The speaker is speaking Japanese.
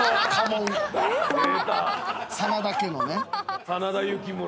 真田家のね。